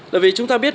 là vì chúng ta biết